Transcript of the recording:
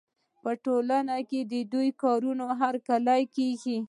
په ټولنه کې د دې کارونو هرکلی کېږي.